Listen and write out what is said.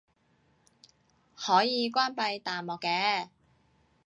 可以關閉彈幕嘅